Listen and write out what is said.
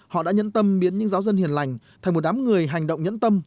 họ đã nhẫn tâm biến những giáo dân hiền lành thành một đám người hành động nhẫn tâm